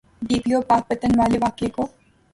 D P O Pakpattan والے واقعے کو۔